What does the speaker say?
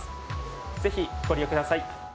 ぜひご利用ください。